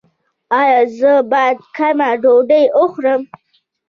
ایا زه باید کمه ډوډۍ وخورم؟